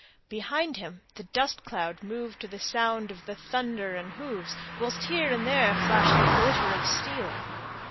Behind him the dust cloud moved to the sound of the thunder of hoofs, whilst here and there flashed the glitter of steel.